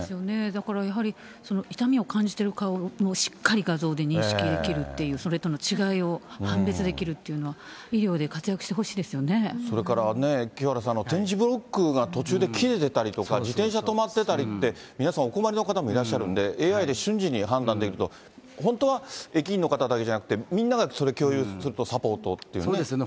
だからやはり、痛みを感じてる顔をしっかり画像で認識できるっていう、それとの違いを判別できるっていうのは、それから、ね、清原さん、点字ブロックが途中で切れてたりとか、自転車止まってたりって、皆さん、お困りの方もいらっしゃるんで、ＡＩで瞬時に判断できると、本当は駅員の方だけじゃなくって、みんながそれ共有すると、サポートっていうね。